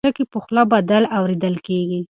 ټکي په خوله بدل اورېدل کېږي.